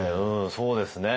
そうですね